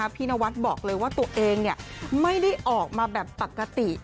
พี่นวัดบอกเลยว่าตัวเองไม่ได้ออกมาแบบปกติ